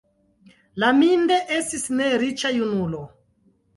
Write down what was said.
Laminde estis neriĉa junulo.